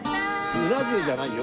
うな重じゃないよ。